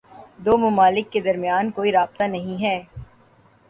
دو ممالک کے درمیان کوئی رابطہ نہیں ہے